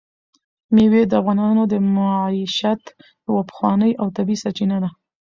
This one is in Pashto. مېوې د افغانانو د معیشت یوه پخوانۍ او طبیعي سرچینه ده.